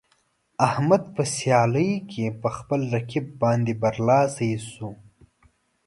احمد په سیالۍ کې په خپل رقیب باندې برلاسی شو.